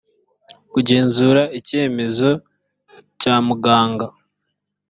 kugenzura icyemezo cya muganga